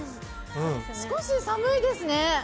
少し寒いですね。